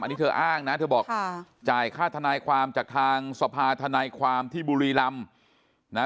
อันนี้เธออ้างนะเธอบอกจ่ายค่าทนายความจากทางสภาธนายความที่บุรีรำนะ